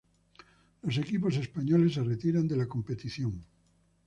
Los equipos españoles se retiran de la competición.